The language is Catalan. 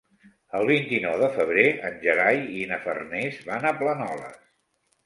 El vint-i-nou de febrer en Gerai i na Farners van a Planoles.